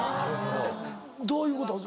えっどういうこと？